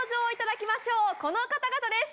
この方々です。